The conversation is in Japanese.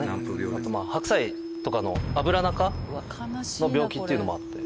あと白菜とかのアブラナ科の病気っていうのもあって。